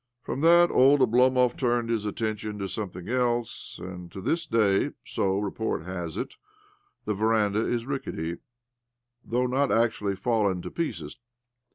From that old Oblomov turned his atten tion to something else ; and to this day— so report has it— the veranda is rickety, though not actually fallen to pieces.